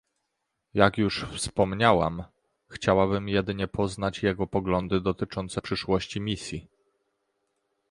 Jak już wspomniałam, chciałabym jedynie poznać jego poglądy dotyczące przyszłości misji